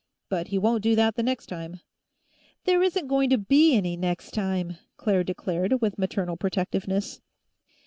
But he won't do that the next time." "There isn't going to be any next time!" Claire declared, with maternal protectiveness.